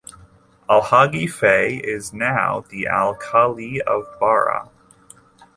Alhagi Faye is now the Al Kali of Barra.